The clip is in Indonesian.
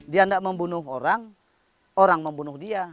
dia tidak membunuh orang orang membunuh dia